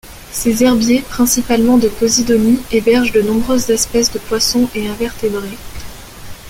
Ces herbiers, principalement de posidonies, hébergent de nombreuses espèces de poissons et invertébrés.